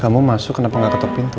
kamu masuk kenapa gak ketuk pintu